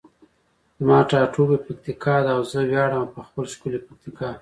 زما ټاټوبی پکتیکا ده او زه ویاړمه په خپله ښکلي پکتیکا.